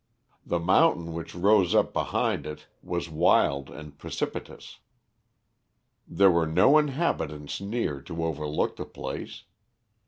The mountain which rose up behind it was wild and precipitous. There were no inhabitants near to overlook the place.